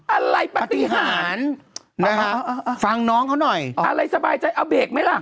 อะไรปฏิหารนะฮะฟังน้องเขาหน่อยอะไรสบายใจเอาเบรกไหมล่ะ